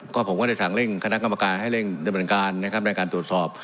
ก็ผมก็ได้สั่งเร่งคณะกรรมการให้เร่งดำเนินการนะครับในการตรวจสอบ